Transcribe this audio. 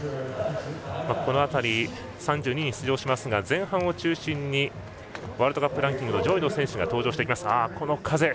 この辺り、３２人出場しますが前半を中心にワールドカップランキングの上位選手が登場してきます。